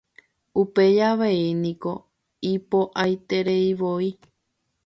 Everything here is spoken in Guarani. Upéi avei niko ipo'aitereivoi.